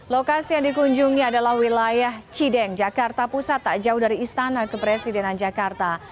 lokasi yang dikunjungi adalah wilayah cideng jakarta pusat tak jauh dari istana kepresidenan jakarta